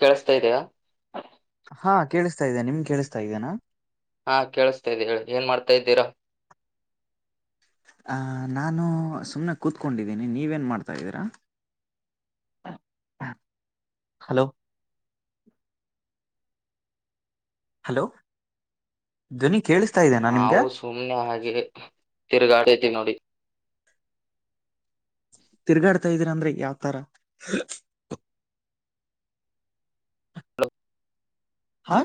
ಕೇಳಸ್ತಾ ಇದಯಾ ಹಾ ಕೇಳಿಸ್ತಾ ಇದ್ದೆ ನಿಮ್ ಕೇಳಿಸ್ತಾ ಇದ್ದೇನಾ ಹಾ ಕೇಳಸ್ತಾ ಇದ್ದಿಿ ಏನ್ ಮಾಡ್ತಾ ಇದ್ದೀರಾ ಆ ನಾನು ಸುಮ್ನೆ ಕೂತ್ಕೊಂಡಿದ್ದೀನಿ ನೀವೇನ್ ಮಾಡ್ತಾ್ದೀರಾ ಹಲೋ ಹಲೋ ವನಿ ನಾವು ಸುಮ್ನೆ ಹಾಗೆ ತಿರುಗಾಡತಿೀವಿ ನೋಡಿ ತಿರ್ಗಾಡ್ತಾ ಇದ್ದೀರ ಅಂದ್ರೆ ಯಾವ್ತರ ಹಾ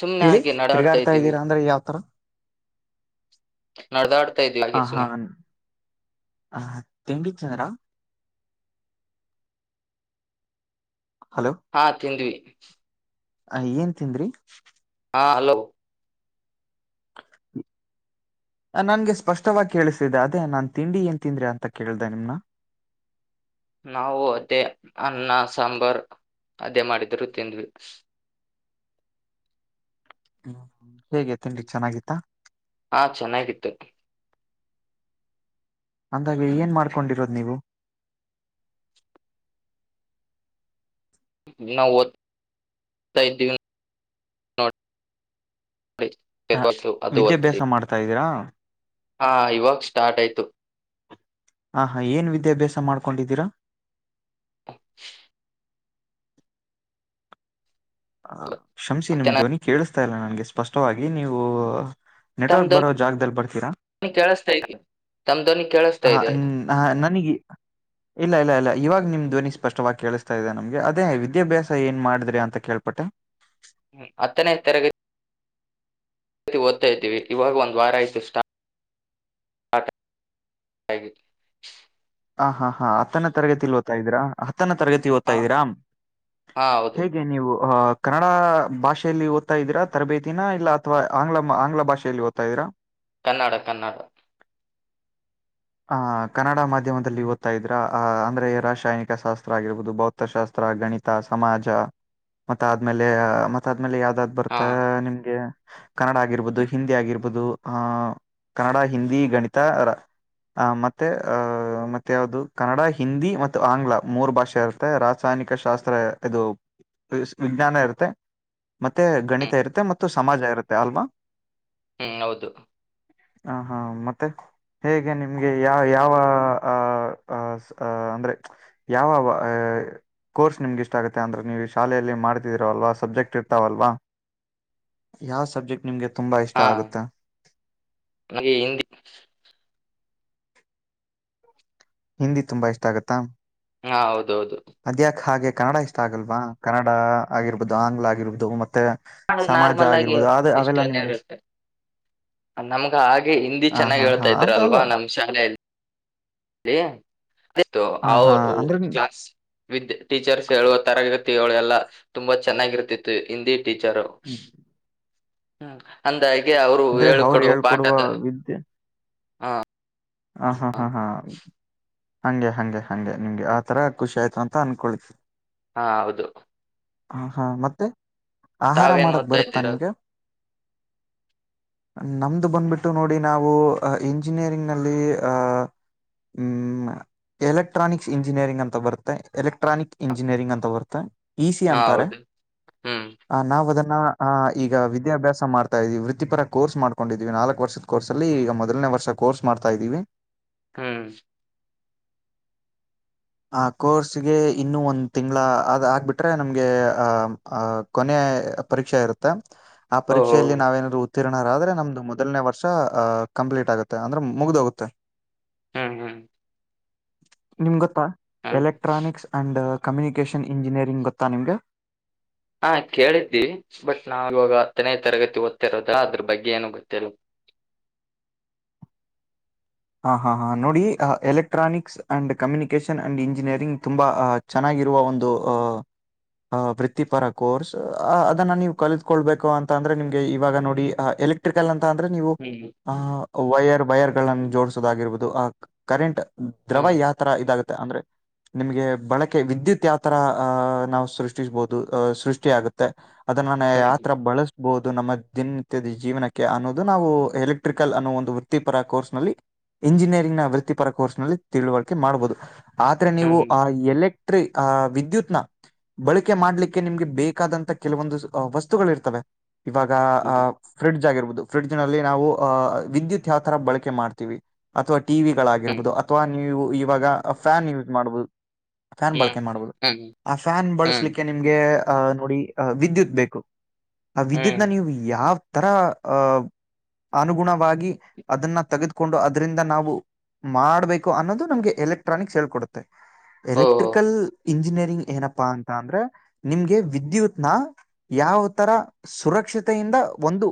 ಸುಮ್ನೆ ಹೇಳಿ ಹಾಗೆ ನಡಾಡ್ತಾ ತಿರ್ಗಾಡ್ತಾ ಇದ್ದೀವಿ ಇದ್ದೀರಾ ಅಂದ್ರೆ ಯಾವತರ ನಡೆದಾಡ್ತಾ ಇದ್ವಿ ಹಾಗೆ ಆಹಾ ಸುಮ್ನೆ ಆ ತಿಂಡಿ ಚಂದ್ರ ಹಾ ತಿಂದ್ವಿ ಅ ಏನ್ ತನ್್ರಿ ಹಾ ಹಲೋ ನನ್ಗೆ ಸ್ಪಷ್ಟವಾಗಿ ಕೇಳಿಸತಿದೆ ಅದೇ ನಾನ್ ತಿಂಡಿ ಏನ್ ತಿಂದ್ರಿ ಅಂತ ಕೇಳ್ದ ನಿಮ್ನಾ ನಾವು ಅದೇ ಅನ್ನ ಸಾಂಬಾರ್ ಅದೇ ಮಾಡಿದರೂ ತಿಂದ್ವಿ ಹ್ಮ್ ಹೇಗೆ ತಿಂಡಿಕ್ ಚೆನ್ನಾಗಿತ್ತ ಹಾ ಚೆನ್ನಾಗಿತ್ತು ಅಂದಾಗೆ ಏನ್ ಮಾಡ್ಕೊಂಡಿರೋದ್ ನೀವು ನಾವುತ ಇದೀವಿ ನೋಡಿ ಹ ಅದು ವಿದ್ಯಾಭ್ಯಾಸ ಓದ್ತಿದೀವಿ ಮಾಡ್ತಾ ಇದೀರಾ ಹಾ ಇವಾಗ ಸ್ಟಾರ್ಟ್ ಆಯ್ತು ಆಹಾ ಏನ್ ವಿದ್ಯಾಭ್ಯಾಸ ಮಾಡ್ಕೊಂಡಿದ್ದೀರಾ ಹ ಶಮಸಿ ನಿಮ ಮತ್ತೆ ಧ್ವನಿ ಕೇಳಿಸ್ತಾ ಇಲ್ಲ ನನ್ಗೆ ಸ್ಪಷ್ಟವಾಗಿ ನೀವು ತಮ್ ನೆಟ್ವರ್ಕ್ ಬರೋ ಧ್ವನಿ ಜಾಗದಲ್ಲಿ ಬರ್ತೀರಾ ಕೇಳಿಸ್ತಾ ಇದೆ ತಮ್ ಧ್ವನಿ ಕೇಳಿಸ್ತಾ ಹ ಇದೆ ಹ ನನಗ ಇಲ್ಲ ಇಲ್ಲ ಇಲ್ಲ ಇವಾಗ ನಿಮ್ ಧ್ವನಿ ಸ್ಪಷ್ಟವಾಗಿ ಕೇಳಿಸ್ತಾ ಇದೆ ನಮ್ಗೆ ಅದೇ ವಿದ್ಯಾಭ್ಯಾಸ ಏನ್ ಮಾಡಿದ್ರಿ ಅಂತ ಕೇಳ್ಪಟ್ಟೆ ಹತ್ತನೇ ತರಗತಿ ತಿ ಓದ್ತಾ್ತೀವಿ ಇವಾಗ ಒಂದು್ ವಾರ ಆಯ್ತು ಸ್ಟಾ ಹ ಹಾಗ ಹ ಹಾ ಹಾ ಆತ್ತನ ತರಗತಿಲ್ಲಿ ಓದತ ಇದ್ರಾ ತ್ತನ ತರಗತಿ ಹ ಓದ್ತಾ ಇದ್ದೀರಾ ಹಾ ಹೌದು ಹೇಗೆ ನೀವು ಅ ಕನ್ನಡ ಭಾಷೆಯಲ್ಲಿ ಓದ್ತ ಇದ್ದೀರಾ ತರಬೇತಿನ ಇಲ್ಲ ಅಥವಾ ಆಂಗ್ಲ ಆಂಗ್ಲ ಭಾಷೆಯಲ್ಲಿ ಓದ್ತಾ ಇದ್ದೀಾ ಕನ್ನಡ ಕನ್ನಡ ಆಹ ಕನ್ನಡ ಮಾಧ್ಯಮದಲ್ಲಿ ಓದ್ತಾ ಇದ್ರ ಅಂದ್ರೆ ರಾಸಾಯನಿಕ ಶಾಸ್ತ್ರ ಆಗಿರ್ಬಹುದು ಭೌತಶಾಸ್ತ್ರ ಗಣಿತ ಸಮಾಜ ಮ ಆದ್ಮೇಲೆ ಮ ಆದ್ಮೇಲೆ ಯಾವ್ದಾದ್ ಹಾ ಬರ್ತಾ ನಿಮಗೆ ಕನ್ನಡ ಆಗಿರ್ಬೋದು ಹಿಂದಿ ಆಗಿರ್ಬೋದು ಆಹ ಕನ್ನಡ ಹಿಂದಿ ಗಣಿತ ಆ ಮತ್ತೆ ಅ ಮತ್ತೆ ಯಾವ್ದದು ಕನ್ನಡ ಹಿಂದಿ ಮತ್ತು ಆಂಗ್ಲ ಮೂರು ಭಾಷೆ ಇರುತ್ತೆ ರಾಸಾಯನಿಕ ಶಾಸ್ತ್ರ ಇದು ವಿಜ್ಞಾನ ಇರುತ್ತೆ ಮತ್ತೆ ಗಣಿತ ಹ್ಮ್ ಇರುತ್ತೆ ಮತ್ತು ಸಮಾಜ ಇರುತ್ತೆ ಅಲ್ವಾ ಹ್ಮ್ ಹೌದು ಹ ಹಾ ಮತ್ತೆ ಹೇಗೆ ಹ ನಿಮ್ಗೆ ಯಾವ ಯಾವ ಆ ಅಂದ್ರೆ ಯಾವ ಕೋರ್ಸ್ ನಿಮ್ಗೆಿಷ್ಟ ಆಗುತ್ತೆ ಅಂದ್ರೆ ನೀವು ಈ ಶಾಲೆಯಲ್ಲಿ ಮಾಡ್ತಿದ್ದೀರೋಲ್ವಾ ಸಬ್ಜೆಕ್ಟ್ ಇರ್ತಾವಲ್ವಾ ಯಾವ ಸಬ್ಜೆಕ್ಟ್ ನಿಮ್ಗೆ ತುಂಬಾ ಇಷ್ಟ ಹಾ ಆಗುತ್ತೆ ನಮಗೆ ಹಿಂದಿ ಹಿಂದಿ ತುಂಬಾ ಇಷ್ಟ ಆಗತ್ತಾ ಹಾ ಹೌದೌದು ಕನ್ನಡ ಇಷ್ಟ ಆಗಲ್ವಾ ಕನ್ನಡ ಆಗಿರ್ಬೋದು ಆಂಗ್ಲ ಆಗಿರ್ಬೋದು ಮತ್ತೆ ಸಮಾಜ ನಾರ್ಮಲ್ ಆಗಿ ಆಗಿರ್ಬೋದು ಅ ಅವೆಲ್ಲ ನಿಮ್ಗೆ ಎಷ್ಟುರುತ್ತೆ ನಮ್ಗ ಹಾಗೆ ಹಿಂದಿ ಹ ಹಾ ಚೆನ್ನಾಗ್ ಹಾ ಹೇಳ್ತಾ ಇದ್ರ ಅಂತವಲ್ಲ ಅಲ್ವಾ ನಮ್ಮ್ ಶಾಲೆಯಲ್ಲಿ ಕ್ಲ ಹ ಹಾ ಅಂದ್ರೆ ವಿದ್ಯ ಟೀಚರ್ಸ್ ಹೇಳುವ ತರಗತಿ ಹೇಳು ಎಲ್ಲಾ ತುಂಬಾ ಚೆನ್ನಾಗಿರ್ತಿತ್ತು ಹಿಂದಿ ಟೀಚಾರ ಹ್ಮ ಅಂದ ಹಾಗೆ ಅವ್ರು ಅಂದ್ರೆ ಹೇಳೇಳ್ ಅವ್ರು ಕೊೊಡುವ ಹೇಳ್ಕೊಡುವ ಪಾಠದ ವಿದ್ಯೆ ಹಾ ಹ ಹಾ ಹಾ ಹಾ ಹಂಗೆ ಹಗೆ ಹಗೆ ನಿಮ್ಗೆ ಆ ತರ ಖುಷಿ ಆಯ್ತು ಅ ಅಂದಕೊಳ್ತೀವಿ ಹಾ ಹೌದು ಹ ಹಾ ಮತ್ತೆ ಆಹಾರ ತಾವೇನ್ ಮಾಡಕ್ ಓದ್ತಾ ಬರುತ್ತಾ ಇದ್ದೀರಾ ನಿಮ್ಗೆ ನಮ್ದು ಬಂದ್ಬಿಟ್ಟು ನೋಡಿ ನಾವು ಇಂಜಿನಿಯರಿಂಗ್ ಲ್ಲಿ ಆ ಹ್ಮ ಎಲೆಕ್ಟ್ರಾನಿಕ್ ಇಂಜಿನಿಯರಿಂಗ್ ಅಂತ ಬರುತ್ತೆ ಎಲೆಕ್ಟ್ರಾನಿಕ್ ಇಂಜಿನಿಯರಿಂಗ್ ಅಂತ ಬರುತ್ತೆ ಈಸಿ ಹಾ ಅಂತಾರೆ ಹೌದು ಹ್ಮ್ ನಾವು ಅದನ್ನು ಈಗ ವಿದ್ಯಾಭ್ಯಾಸ ಮಾಡ್ತಾ ಇದ್ವಿ ವೃತ್ತಿಪರ ಕೋರ್ ಮಾಡ್ಕೊಂಡಿದ್ವಿ ನಾಲ್ಕ ವರ್ಷ ಕೋರ್ ಅಲ್ಲಿ ಈಗ ಮೊದಲನೇ ವರ್ಷ ಕೋರ್ಸ್ ಮಾಡ್ತಾ ಇದ್ದೀವಿ ಹ್ಮ್ ಆ ಕೋರ್ಸ್ಗೆ ಇನ್ನು ಒಂದ್ ತಿಂಗಗಳ ಅದ್ ಆಗ್ಬಿಟ್ರೆ ನಮ್ಗೆ ಆ ಕೊನೆಯ ಪರೀಕ್ಷೆ ಇರುತ್ತೆ ಆ ಓಹೋ ಪರೀಕ್ಷೆಯಲ್ಲಿ ನಾವೇನಾದ್ರು ಉತ್ತಿರಣದರೆ ನಮ್ದು ಮೊದಲನೇ ವರ್ಷ ಅ್ ಕಂಪ್ಲೀಟ್ ಆಗುತ್ತೆ ಅಂದ್ರೆ ಮುಗ್ದೋಗುತ್ತೆ ಹ್ಮ್ ಹ್ಮ್ ನಿಮ್ ಗೊತ್ತಾ ಹ್ಮ್ ಎಲೆಕ್ಟ್ರಾನಿಕ್ಸ್ ಅಂಡ್ ಕಮ್ಯುನಿಕೇಶನ್ ಇಂಜಿನಿಯರಿಂಗ್ ಗೊತ್ತಾ ನಿಮ್ಗೆ ಹಾ ಕೇಳಿದ್ದೀ ಬಟ್ ನಾವ ಇವಾಗ ಹತ್ತನೇ ತರಗತಿ ಓದುತಾ ಇರೋದಾ ಅದ್ರ ಬಗ್ಗೆ ಏನು ಗೊತ್ತಿಲ್ಲ ಹ ಹಾ ಹಾ ನೋಡಿ electronics and communication and engineering ತುಂಬಾ ಆ ಚೆನ್ನಾಗಿ ಇರುವ ಒಂದು ಆ ಆ ಪ್ರತ್ತಿಪರ ಕೋರ್ಸ್ ಅ ಅದನ್ನ ನೀವು ಕಲಿತ್ಕೊಳ್ಬೇಕು ಅಂತ ಅಂದ್ರೆ ನಿಮ್ಗೆ ಇವಾಗ ನೋಡಿ ಆ ಎಲೆಕ್ಟ್ರಿಕಲ್ ಅಂತ, ಅಂದ್ರೆ ನೀವು! ಹ್ಮ್ ಆ ವೈಯರ್ ವೈಯರ್ ಗಳನ್ನು ಜೋಡಸೋದಾಗಿಇರುಬೋಹುದು, ಆ ಕರೆಂಟ್. [inaudible] ದ್ರವ, ಹ್ಮ್ ಯಾವ ತರ ಇದಾಗತ್ತೆ ಅಂದ್ರೆ? [inaudible] ನಿಮ್ಗೆ, ಬಳಕೆ ವಿದ್ಯುತ್ ಯಾವತರ! ಅಹ ನಾವು ಸೃಷ್ಟಿಸ್ಬಹುದು, ಅಹ ಸೃಷ್ಟಿಯಗುತ್ತೆ? [inaudible] ಅದನ್ನ, ಯಾವತರ ಬಳಸಬಹುದು ನಮ್ಮ? [inaudible] ದಿನನಿತ್ಯದ, ಜೀವನಕ್ಕೆ ಅನ್ನೋದು? ನಾವು ಎಲೆಕ್ಟ್ರಿಕಲ್, ಅನ್ನೋ ಒಂದು ವೃತ್ತಿಪರ, ಕೋರ್ಸ್ ನಲ್ಲಿ? [inaudible] ಇಂಜಿನಿಯರಿಂಗ್ನ ವೃತ್ತಿಪರ, ಕೋರ್ಸ್ ನಲ್ಲಿ ತಿಳುವಳಿಕೆ, ಮಾಡ್ಬಹುದು? [inaudible] ಆದ್ರೆ, ನೀವು ಹ್ಮ್ ಆ ಎಲೆಕ್ಟ್ರಿ ಆ ವಿದ್ಯುತ್ನ. [inaudible] ಬಳಕೆ, ಮಾಡ್ಲಿಕ್ಕೆ! ನಿಮ್ಗೆ ಬೇಕಾದಂತ ಕೆಲವೊಂದು ಆ ವಸ್ತುಗಳಿರ್ತವೆ? [inaudible] ಇವಾಗ, ಅ ಹ್ಮ್ ಹ್ಮ್ ಫ್ರಿಡ್ಜ್ ಆಗಿರ್ಬಹುದು! ಫ್ರಿಡ್ಜ್ ನಲ್ಲಿ ನಾವು ಅ ವಿದ್ಯುತ್ ಯಾವ ತರ ಬಳಕೆ ಮಾಡ್ತೀವಿ? [inaudible] ಅಥವಾ, ಟಿವಿಗಳು ಆಗಿರಬಹುದು, ಹ್ಮ್ ಅಥವಾ ನೀವು, ಇವಾಗ ಫ್ಯಾನ್ ಯೂಸ್ ಮಾಡ್ಬಹುದು? [inaudible] ಫ್ಯಾನ್ ಬಳಕೆ ಮಾಡ್ಬಹುದು? ಹ್ಮ್ ಹ್ಮ್ ಆ ಫ್ಯಾನ್ ಹ್ಮ್ ಬಳಸಲಿಕ್ಕೆ, ನಿಮ್ಗೆ. [inaudible] ಆ, ನೋಡಿ ವಿದ್ಯುತ್ ಬೇಕು? ಆ ವಿದ್ಯುತ್ ನ ಹ್ಮ್ ನೀವು, ಯಾವ. [inaudible] ತರ ಅ ಅನುಗುಣವಾಗಿ ಅದನ್ನ ತೆಗೆದುಕೊಂಡು? [inaudible] ಅದ್ರಿರಿಂದ, ನಾವು ಮಾಡ್ಬೇಕು! ಅನ್ನೋದು ನಮ್ಗೆ ಎಲೆಕ್ಟ್ರಾನಿಕ್ಸ್ ಹೇಳ್ಕೊಡುತ್ತೆ? [inaudible] ಓಹೋ ಎಲೆಕ್ಟ್ರಿಕಲ್? [inaudible] ಇಂಜಿನಿಯರಿಂಗ್, ಏನಪ್ಪಾ ಅಂತ ಅಂದ್ರೆ! ನಿಮ್ಗೆ ವಿದ್ಯುತ್ನ, ಯಾವ ತರ ಸುರಕ್ಷ? [inaudible] ಕ್ಷತೆಯಿಂದ, ಒಂದು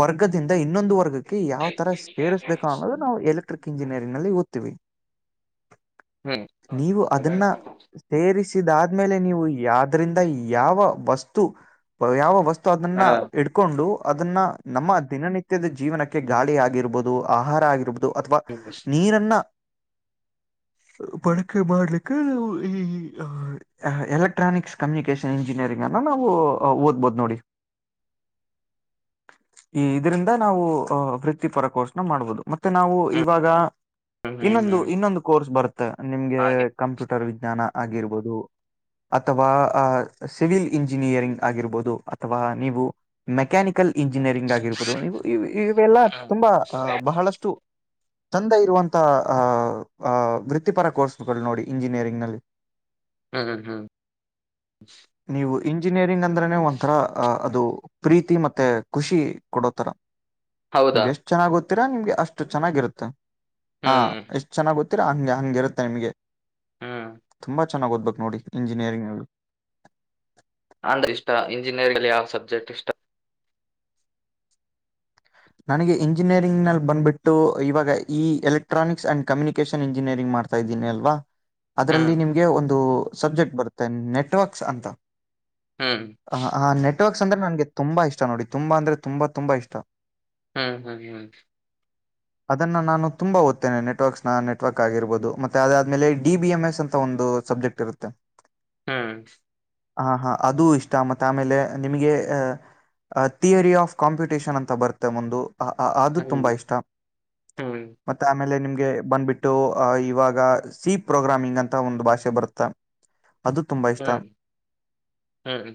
ವರ್ಗದಿಂದ ಇನ್ನೊಂದು ವರ್ಗಕ್ಕೆ? [inaudible] ಯಾವ, ತರ ಸೇರಿಸ್ಬೇಕಾ? ಅನ್ನೋದು ನಾವು ಎಲೆಕ್ಟ್ರಿಕ್ ಇಂಜಿನಿಯರಿಂಗ್ ನಲ್ಲಿ ಓದುತ್ತಿವಿ! [inaudible] ಹ್ಮ್ ನೀವು, ಅದನ್ನ ಸೇರಿಸಿ? [inaudible] ಇದ್ಮೇಲೆ, ನೀವು ಯಾದ್ರಿಂದ! ಯಾವ ವಸ್ತು, ಯಾವ ವಸ್ತು? [inaudible] ಅದನ್ನ, ಹಾ ಇಡ್ಕೊಂಡು ಅದನ್ನ! ನಮ್ಮ ದಿನನಿತ್ಯದ ಜೀವನಕ್ಕೆ ಗಾಳಿ ಆಗಿರ್ಬಹದು? [inaudible] ಆಹಾರ, ಆಗಿರ್ಬದು ಅಥವಾ ಹ್ಮ್ ಹ್ಮ್ ನೀರನ್ನ? [inaudible] ಬಳಕೆ, ಮಾಡಾಲಿಕ್ಕೆ! ಈ, ಆ, ಎಲೆಕ್ಟ್ರಾನಿಕ್ಸ್ ಕಮ್ಯುನಿಕೇಶನ್, ಇಂಜಿನು. [unintelligible] ರಿಂಗಣ, ನಾವು ಓದ್ಬೋದ್ ನೋಡಿ? [inaudible] ಈ, ಇದರಿಂದ ನಾವು ಅ ವೃತ್ತಿಪರ ಕೋರ್ಸ್? [inaudible] ಮಾಡ್ಬೋದು, ಮತ್ತೆ ನಾವು ಇವಾಗ? [inaudible] ಹ್ಮ್ ಇನ್ನೊಂದು, ಹ್ಮ್ ಇನ್ನೊಂದು ಕೋರ್ಸ್, ಬರುತ್ತೆ ನಿಮ್ಗೆ, ಹಾಗೆ ಕಂಪ್ಯೂಟರ್ ವಿಜ್ಞಾನ ಆಗಿರ್ಬೋದು? [inaudible] ಅಥವಾ, ಸಿವಿಲ್, ಇಂಜಿನಿಯರಿಂಗ್ ಆಗಿರ್ಬೋದು! ಅಥವಾ ನೀವು ಮೆಕ್ಯಾನಿಕಕ್? [inaudible] ಲೋಕಲ್, ಇಂಜಿನಿಯರಿಂಗ್, ಆಗಿರಬಹುದು, ಇವೆಲ್ಲ, ಹ್ಮ್ ತುಂಬಾ ಬಹಳಷ್ಟು? [inaudible] ತಂದೆ, ಇರುವಂತಹ, ಆಹ್, ಅಹ್ ವೃತ್ತಿಪರ ಕೋರ್ಸ್ಗಳು! ನೋಡಿ ಇಂಜಿನಿಯರಿಂಗ್ ನಲ್ಲಿ. [inaudible] ಹ್ಮ್, ಹ್ಮ್. [inaudible] ನೀವು ಇಂಜಿನಿಯರಿಂಗ್, ಅಂದ್ರನೆ, ಒಂಥರ ಅ ಅದು ಪ್ರೀತಿ, ಮತ್ತೆ ಖುಷಿ ಕೊಡೋತರ? [inaudible] ಹೌದಾ? [inaudible] ಹಾಗೋತೀರ, ಅಷ್ಟು, ಚೆನ್ನಾಗಿರುತ್ತೆ. [inaudible] ಆ, ಹ್ಮ್ ಎಷ್ಟು ಚೆನ್ನಾಗ್ ಓದುತ್ತೀರಾ! ಹಂಗೆ ಹಂಗಿರುತ್ತೆ ನಿಮ್ಗೆ? ಹ್ಮ್ [inaudible] ತುಂಬಾ, ಚೆನ್ನಾಗ್ ಓದ್ಬೇಕು ನೋಡಿ! ಇಂಜಿನಿಯರಿಂಗ್ ನಲ್ಲಿ? [inaudible] ಅಂದ್ರೆ, ಇಷ್ಟ ಇಂಜಿನಿಯರಿಂಗ್ ಅಲ್ಲಿ! ಯಾವ ಸಬ್ಜೆಕ್ಟ್ ಇಷ್ಟ? [inaudible] ನನಗೆ, ಇಂಜಿನಿಯರಿಂಗ್ ನಲ್ಲಿ, ಬಂದ್ಬಿಟ್ಟು ಇವಾಗ ಈ ಎಲೆಕ್ಟ್ರಾನಿಕ್ಸ್ ಅಂಡ್, ಕಮ್ಯುನಿಕೇಶನ್, ಇಂಜಿನಿಯರಿಂಗ್? [inaudible] ಮಾಡ್ತಾ ಇದ್ದೀನಿ ಅಲ್ವಾ! ಅದ್ರಲ್ಲಿ ಹ್ಮ್ ನಿಮ್ಗೆ ಒಂದು ಸಬ್ಜೆಕ್ಟ್ ಬರುತ್ತೆ ನೆಟ್ವರ್ಕ್ಸ್ ಅಂತ? ಹ್ಮ್ [inaudible] ಹ, ಹ, ನೆಟ್ವರ್ಕ್ಸ್ ಅಂದ್ರೆ! ನನ್ಗೆ ತುಂಬಾ ಇಷ್ಟ ನೋಡಿ, ತುಂಬಾ ಅಂದ್ರೆ ತುಂಬಾ ತುಂಬಾ ಇಷ್ಟ. [inaudible] ಹ್ಮ್, ಹ್ಮ್, ಹ್ಮ. [inaudible] [unintelligible] [inaudible] ಅದನ್ನ, ನಾನು ತುಂಬಾ! ಓದುತ್ತೇನೆ, ನೆಟ್ವರ್ಕ್ನ, ನೆಟ್ವರ್ಕ್, ಆಗಿರ್ಬಹದು, ಮತ್ತೆ ಅದಾದ್ಮೇಲೆ, ಡಿ, ಬಿ, ಎಂ, ಎಸ್. ಅಂತ ಒಂದು. [inaudible] ಸಬ್ಜೆಕ್ಟ್, ಇರುತ್ತೆ? [inaudible] ಹ್ಮ್. [inaudible] ಹಾ, ಹಾ, ಅದು ಇಷ್ಟ! ಮತ್ತೆ ಆಮೇಲೆ ನಿಮಗೆ. [inaudible] Theory, of computation! ಅಂತ, ಬಾರು.. [inaudible] ಮತ್ತೊಂದು, ಅ, ಅದು, ಹ್ಮ್ ತುಂಬಾ, ಇಷ್ಟ, ಹ್ಮ್ ಮತ್ತೆ, ಆಮೇಲೆ, ನಿಮ್. [inaudible] ಬಂದ್ಬಿಟ್ಟು, ಇವಾಗ! ಸಿ ಪ್ರೋಗ್ರಾಮಿಂಗ್ ಅಂತ ಒಂದು ಭಾಷೆ, ಬರುತ್ತೆ? [inaudible] ಅದು, ತುಂಬಾ ಇಷ್ಟ, ಹ್ಮ್ ಹ್ಮ್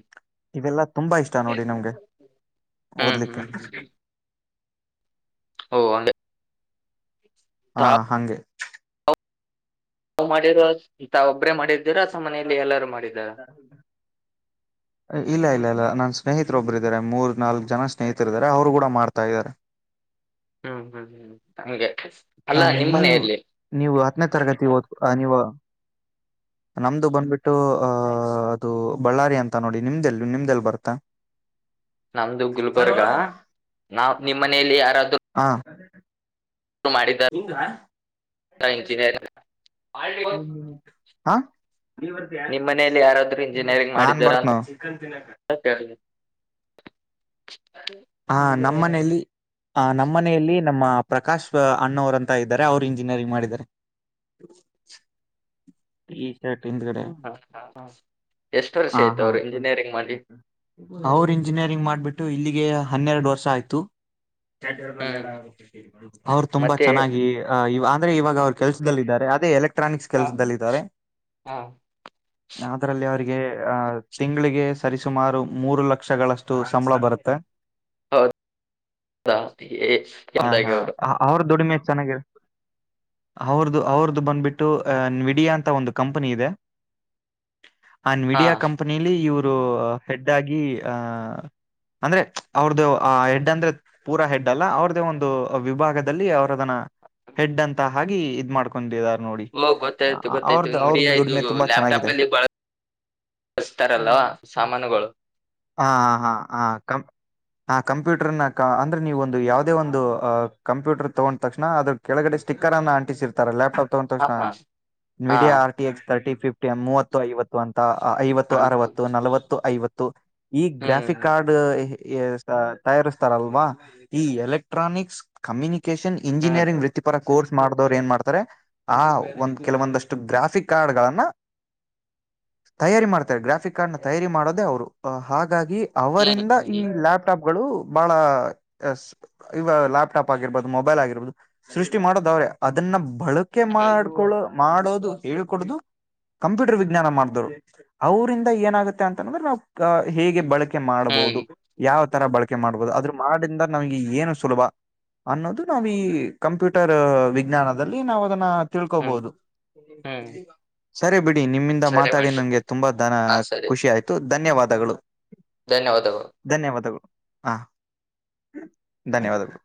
ಇವೆಲ್ಲ? [inaudible] ತುಂಬಾ ಇಷ್ಟ ನೋಡಿ ನಮ್ಗೆ ಹ್ಮ್ ಓದ್ಲಿಕ್ಕೆ ಹ್ಮ್ ಹ್ಮ್ ಓ ಹಂಗೆ ಹಾ ಹಂಗೆ ತಾವು ಮಾಡಿರ ಇ ಒಬ್ಬ್ರೇ ಮಾಡಿದ್ದೀರ ಮನೇಲಿ ಎಲ್ಲಾರ ಮಾಡ ಹ ಇಲ್ಲ ಇಲ್ಲ ಇಲ್ಲ ನನ್ ಸ್ನೇಹಿತರೊಬ್ರು ಇದ್ದಾರೆ ಮೂರ್ ನಾಲ್ಕು ಜನ ಸ್ನೇಹಿತರ ಇದಾರೆ ಅವ್ರು ಕೂಡ ಮಾಡ್ತಾ ಇದಾರೆ ಹ ಹೂ ಹೂ ಹೂ ಹಂಗೆ ಅ ಅಲ್ಲಾ ನಿಮ್ ನೀವು ಮನೆಯಲ್ಲಿ ನೀವು ಹತ್ತನೇ ತರಗತಿ ಓದ ಅ ನೀವು ನಮ್ದು ಬಂದ್ಬಿಟ್ಟು ಅಹ ಅದು ಬಳ್ಳಾರಿ ಅಂತ ನೋಡಿ ನಿಮ್ದೆಲ್ ನಿಮ್ದೆಲ್ ಬರ್ತ ನಮ್ದು ಗುಲ್ಬರ್ಗ ನಾ ನಿಮ್ಮ್ ಮನೆಯಲ್ಲಿ ಯಾರಾದ ಹಾ ಮಾಡಿದರಾ ಇಂಜಿನಿಯರ್ ಹಾ ನೀ ಬರ್ತಯ ನಿಮ್ ಮನೆಯಲ್ಲಿ ಯಾರಾದ್ರೂ ಇಂಜಿನಿಯರಿಂಗ್ ನಾನ್ ಬಾರ್ನು ಹ ಹ ನಮ್ಮ ಮನೆಯಲ್ಲಿ ಆ ನಮ್ಮ ಮನೆಯಲ್ಲಿ ನಮ್ಮ ಪ್ರಕಾಶ್ ಅಣ್ಣವರು ಅಂತ ಇದ್ದಾರೆ ಅವ್ರು ಇಂಜಿನಿಯರಿಂಗ್ ಮಾಡಿದ್ದಾರೆ ಟಿ ಶರ್ಟ್ ಹಿಂದ್ಗಡೆ ಹ ಹ ಹ ಎಷ್ಟು ವರ್ಷ ಹ ಆಯ್ತು ಹಾ ಅವ್ರು ಇಂಜಿನಿಯರಿಂಗ್ ಮಾಡಿ ಅವ್ರ ಇಂಜಿನಿಯರಿಂಗ್ ಮಾಡ್ಬಿಟ್ಟ ು ಇಲ್ಲಿಗೆ ಹನ್ನೆರಡು ವರ್ಷ ಆಯ್ತು ಹ್ಮ್ ಅವ್ರು ತುಂಬಾ ಮತ್ತೆ ಚೆನ್ನಾಗಿ ಇವಾಗ ಇವಾಗ ಅವ್ರು ಕೆಲಸದಲ್ಲಿದ್ದಾರೆ ಅದೇ ಎಲೆಕ್ಟ್ರಾನಿಕ್ಸ್ ಹ, ಕೆಲಸದಲ್ಲಿ ಇದಾರೆ ಹ. ಯಾವುದ್ರಲ್ಲಿ ಸ್ನೇಹಿತರಿಗೆ ಆ ತಿಂಗಳಿಗೆ ಸರಿಸುಮಾರು ಮೂರು ಲಕ್ಷಗಳಷ್ಟು ಸಂಬಳ ಬರುತ್ತೆ ಹೌದಾ ಎ- ಹಾ ಎಂದಾಗಿ ಹಾ ಅವರು ಅವ್ರ ದೊಡಿಮೆ ಚೆನ್ನ ಅವ್ರದುು ಅವ್ರದುು ಬಂದ್ಬಿಟ್ಟು ಡಿಯಾ ಅಂತ ಒಂದು ಕಂಪನಿ ಇದೆ ಆ ಹಾ ವಿಡಿಯೋ ಕಂಪನಿಲಿ ಇವರು ಒಂದು ಹೆಡ್ ಆಗಿ ಆ ಅಂದ್ರೆ ಅವ್ರ್ದ ಆ ಹೆಡ್ ಅಂದ್ರೆ ಪೂರಾ ಹೆಡ್ ಅಲ್ಲ ಅವ್ರ್ದೇ ಒಂದು ವಿಭಾಗದಲ್ಲಿ ಅವ್ರದನ್ನ ಹೆಡ್ ಅಂತ ಹಾಗೆ ಇದ್ನ ಮಾಡ್ಕೊಂಡಿದ್ದಾರೆ ಹಓ ಗೊತ್ತಾಯ್ತು ಗೊತ್ತಾಯ್ತು ವಿಡಿಯೋ ಆಯ್ತು ಅದು ಲ್ಯಾಪ್ಟಾಪ್ ಅಲ್ಲಿ ಬಳಸ್ತಾರಲ್ಲ ಸಾಮಾನುಗಳು ಹಾ ಹಾ ಹಾ ಹಾ ಕ ಹ ಕಂಪ್ಯೂಟರ್ ನ ಅಂದ್ರೆ ನೀವು ಒಂದು ಯಾವುದೇ ಒಂದು ಕಂಪ್ಯೂಟರ್ ತಗೊಂಡ್ ತಕ್ಷಣ ಆದ್ರ ಕೆಳಗ ಸಿಕ್ಕರ್ನ್ನು ಅಂಟಿಸಿರ್ತಾರೆಲ್ಯಾಪ್ಟಾಪ್ ಹಾ ಹಾ ೋ ಹಾ video RT X thirty fifty ಮೂವತ್ತು ಐವತ್ತು ಅಂತ ಐವತ್ತು ಹಾ ಅರವತ್ತು ನಲವತ್ತು ಐವತ್ತು ಈ ಹ್ಮ್ ಗ್ರಾಫಿಕ್ ಕಾರ್ಡ್ ತಯಾರಿಸ್ತಾರಲ್ವಾ ಈ ಎಲೆಕ್ಟ್ರಾನಿಕ್ಸ್ ಕಮ್ಯುನ ನ್ ಹ್ಮ್ ಇಂಜಿನಿಯರಿಂಗ್ ವೃತ್ತಿಪರ ಕೋರ್ಸ್ ಮಾಡಿದವ್ರು ಏನ್ ಮಾಡ್ತಾರೆ ಆ ಒಂದು ಕೆಲವೊಂದಷ್ಟು ಗ್ರಾಫಿಕ್ ಕಾರ್ಡ್ಗಳಗಳನ್ನ ತಯಾರಿ ಮಾಡ್ತಾರೆ ಗ್ರಾಫಿಕ್ ಕಾರ್ಡ್ನ ತಯಾರಿ ಮಾಡೋದೇ ಅವ್ರು ಹಾಗ ಹಾಗಾಗಿ ಹ್ಮ್ ಅವರಿಂದ ಈ ಹ್ಮ್ ಲ್ಯಾಪ್ಟಾಪ್ ಗಳು ಬಹಳ ಇವ ಲ್ಯಾಪ್ಟಾಪ್ ಆಗಿರ್ಬಹದು ಮೊಬೈಲ್ ಆಗಿರ್ಬಹದು ಸೃಷ್ಟಿ ಮಾಡೋದು ಅವ್ರೇ ಅದನ್ನ ಬಳಕೆ ಹ್ಮ್ ಮಾಡ್ಕೊಳೋ ಮಾಡೋದು ಹೇಳ್ಕೊದು ಕಂಪ್ಯೂಟರ್ ವಿಜ್ಞಾನ ಮಾಡ್ರು ಅವ್ರಂದ ಏನಾಗುತ್ತೆ ಅಂತಂದ್ರೆ ನಾವು ಹೇಗೆ ಬಳಕೆ ಬಕೆ ಹ್ಮ್ ಮಾಡಬಹುದು ಯಾವ ತರ ಬಳಕೆ ಮಾಡ್ಬಹುದು ಅದ್ರ ಮಾಡದಿಂದ ನಮಗೆ ಏನು ಸುಲಭ ಅನ್ನೋದು ನಾವು ಈ ಕಂಪ್ಯೂಟರ್ ವಿಜ್ಞಾನದಲ್ಲಿ ನಾವು ಅದನ್ನ ಹ್ಮ್ ತಿಳ್ಕೋಬಹುದು ಹ್ಮ್ ಸರಿ ಬಿಡ್ ನಿಮ್ಮಿಂದ ಸರಿ ಮಾತಾಡಿ ನನ್ಗೆ ಮೇಡಮ್ ತುಂಬಾ ದ ಹಾ ಸರಿ ಖುಷಿ ಆಯ್ತು ಧನ್ಯವಾದಗಳು ಧನ್ಯವಾದಗಳು ಹ ಧನ್ಯವಾದಗಳು